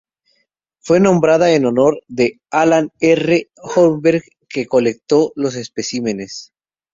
Fue nombrada en honor de Allan R. Holmberg que colectó los especímenes.